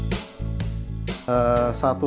kakak kakaknya mencari sepatu yang bagus